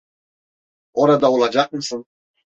Orada olacak mısın?